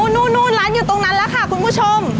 นู่นร้านอยู่ตรงนั้นแล้วค่ะคุณผู้ชม